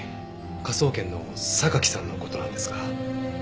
科捜研の榊さんの事なんですが。